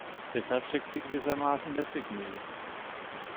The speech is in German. Deshalb steckt sie gewissermaßen in der Zwickmühle.